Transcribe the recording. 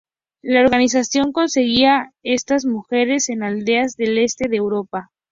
La organización conseguía estas mujeres en aldeas del Este de Europa.